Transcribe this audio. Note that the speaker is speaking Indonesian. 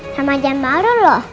sama jam baru loh